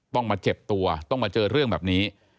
ต้องมาเจ็บตัวต้องมาเจอเรื่องแบบนี้